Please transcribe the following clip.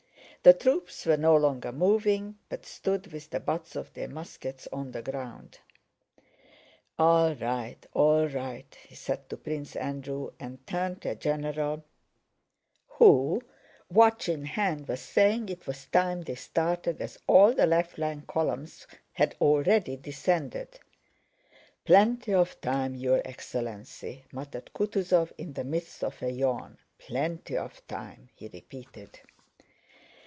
The troops were no longer moving, but stood with the butts of their muskets on the ground. "All right, all right!" he said to Prince Andrew, and turned to a general who, watch in hand, was saying it was time they started as all the left flank columns had already descended. "Plenty of time, your excellency," muttered Kutúzov in the midst of a yawn. "Plenty of time," he repeated.